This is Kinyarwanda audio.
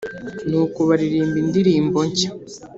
Nuko baririmba indirimbo nshya